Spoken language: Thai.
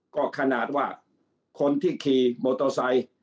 ก็ขนาดว่าคนที่ขี่มอเตอร์ไซค์